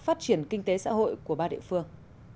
phát triển kinh tế xã hội của ba địa phương